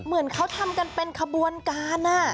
เหมือนเขาทำกันเป็นขบวนการ